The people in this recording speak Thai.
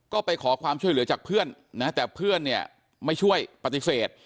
ก็ไปขอความช่วยเหลือจากเพื่อนนะแต่เพื่อนเนี่ยไม่ช่วยปฏิเสธ